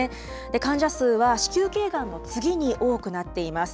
患者数は子宮けいがんの次に多くなっています。